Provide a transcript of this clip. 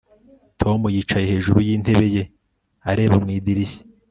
Tom yicaye hejuru yintebe ye areba mu idirishya